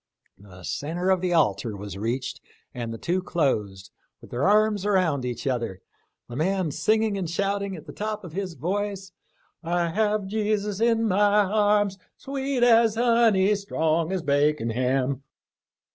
The centre of the altar was reached, and the two closed, with their arms around each other, the man singing and shouting at the top of his voice, "' I have my Jesus in my arms Sweet as honey, strong as bacon ham.'